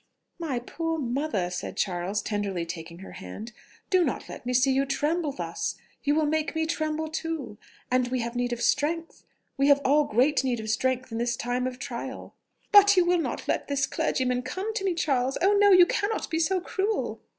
"My poor mother!..." said Charles, tenderly taking her hand, "do not let me see you tremble thus you will make me tremble too! and we have need of strength we have all great need of strength in this time of trial." "But you will not let this clergyman come to me, Charles!... Oh no! you cannot be so cruel!"